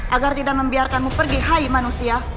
agar tidak membiarkanmu pergi hai manusia